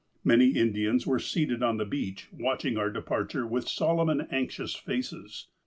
Many Indians were seated on the beach, watching our departure with solemn and anxious faces.